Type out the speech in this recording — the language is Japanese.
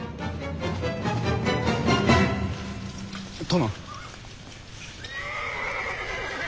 殿。